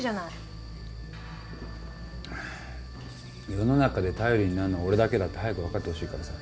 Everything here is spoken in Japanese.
世の中で頼りになるのは俺だけだって早く分かってほしいからさ。